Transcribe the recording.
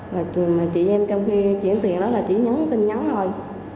mà chị em trong khi chuyển tiền đó là chỉ nhấn tin nhắn thôi